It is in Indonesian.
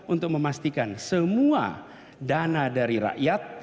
untuk memastikan semua dana dari rakyat